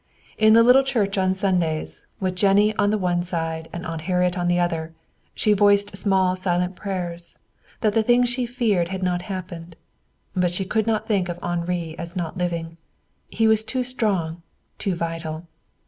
In the little church on Sundays, with Jennie on one side and Aunt Harriet on the other, she voiced small silent prayers that the thing she feared had not happened. But she could not think of Henri as not living. He was too strong, too vital.